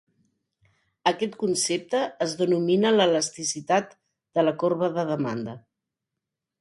Aquest concepte es denomina l'elasticitat de la corba de demanda.